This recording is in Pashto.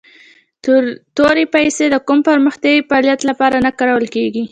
تورې پیسي د کوم پرمختیایي فعالیت لپاره نه کارول کیږي.